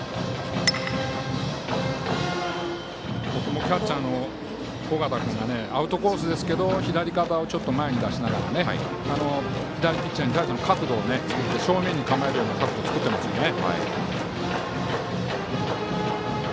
ここもキャッチャーの尾形君がアウトコースですけど左肩を前に出しながら左ピッチャーに対しての正面からの角度を作っていますね。